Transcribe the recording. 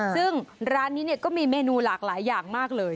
ซึ่งร้านนี้ก็มีเมนูหลากหลายอย่างมากเลย